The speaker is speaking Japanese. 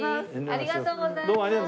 ありがとうございます。